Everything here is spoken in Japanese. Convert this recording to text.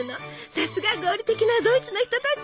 さすが合理的なドイツの人たち！